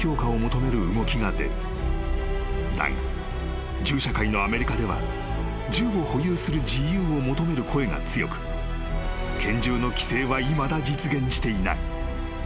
［だが銃社会のアメリカでは銃を保有する自由を求める声が強く拳銃の規制はいまだ実現していない］